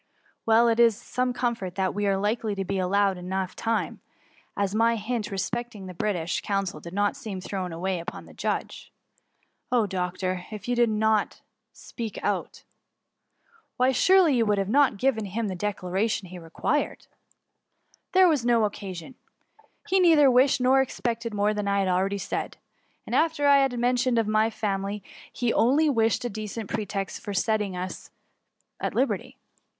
^^^ Well, it is some comfort that we are likely tx> be allowed time enough, as my hint respect ing the British consul did not seem thrown away upon the judge. Oh, doctor, if you had not spoken !"Why, surely you would not have given him the declaration he required ?" M 5 250 THE MUMMY. ^' There was no oocarion. He nettber wish ed nor expected more than I had akeady said. After what I had mentioned of my family^ he only wished a decent pretext for setting us at liberty."